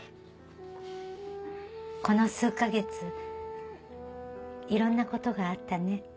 この数か月いろんなことがあったね。